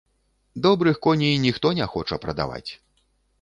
Добрых коней ніхто не хоча прадаваць.